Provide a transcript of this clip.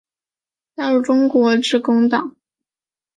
加入中国致公党。